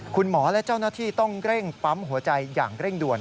คุณหมอและเจ้าหน้าที่ต้องเร่งปั๊มหัวใจอย่างเร่งด่วน